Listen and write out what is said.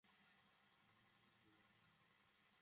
অপর দিকে আল্লাহ অগণিত মশা প্রেরণ করলেন।